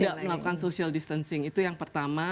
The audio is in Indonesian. tidak melakukan social distancing itu yang pertama